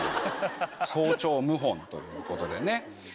早朝謀反ということでね。